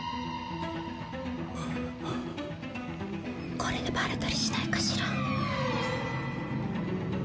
これでバレたりしないかしら？